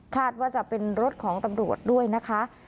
ว่าจะเป็นรถของตำรวจด้วยนะคะ